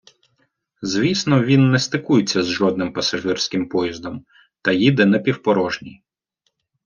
Звісно, він не стикується з жодним пасажирським поїздом та їде напівпорожній.